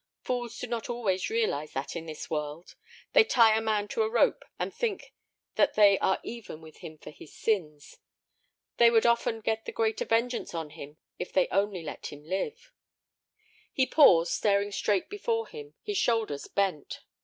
Fools do not always realize that in this world. They tie a man to a rope, and think that they are even with him for his sins. They would often get the greater vengeance on him if they only let him live." He paused, staring straight before him, his shoulders bent.